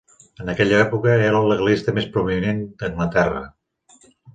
En aquella època, era el legalista més prominent d'Anglaterra.